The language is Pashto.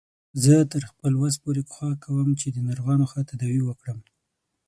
زه تر خپل وس پورې کوښښ کوم چې د ناروغانو ښه تداوی وکړم